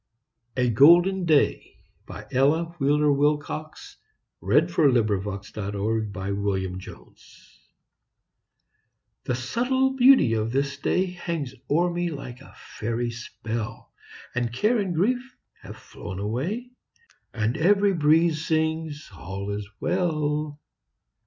A Golden Day An Ella Wheeler Wilcox Poem A GOLDEN DAY The subtle beauty of this day Hangs o'er me like a fairy spell, And care and grief have flown away, And every breeze sings, "All is well."